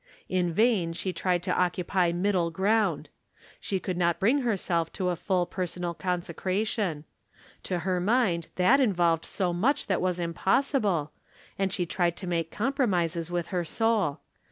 In vain she tried to oc cupy middle ground. She could not bring her self to a full personal consecration. To her mind that involved so much that was impossible, and she tried to make compromises with her soul.